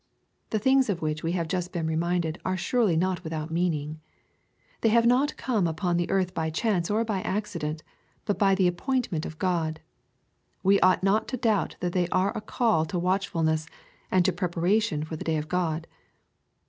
The things of which we have just been reminded are surely not without meaning. They have not come on the earth by chance or by accident, but by the appointment of God. We ought not to doubt that they are a call to watchfulness, and to preparation for the day of God.